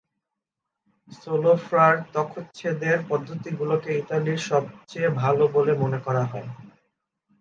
সোলোফ্রার ত্বক্চ্ছেদের পদ্ধতিগুলোকে ইতালিতে সবচেয়ে ভাল বলে মনে করা হয়।